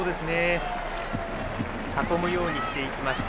囲むようにしていきました。